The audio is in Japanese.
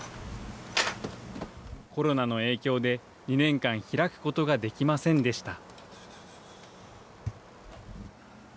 コロナの影響で２年間開くことができませんでした。